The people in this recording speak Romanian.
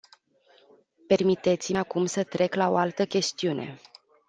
Permiteți-mi acum să trec la o altă chestiune.